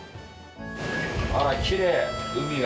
あらきれい海が。